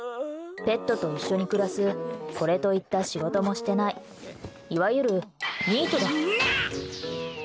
ペットと一緒に暮らすこれといった仕事もしてないいわゆるニートだ。